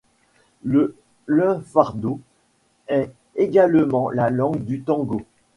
Le lunfardo est également la langue du tango.